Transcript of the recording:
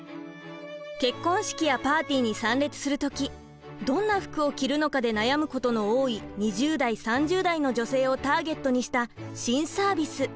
結婚式やパーティーに参列する時どんな服を着るのかで悩むことの多い２０代３０代の女性をターゲットにした新サービス。